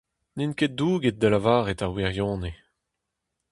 N'int ket douget da lavaret ar wirionez.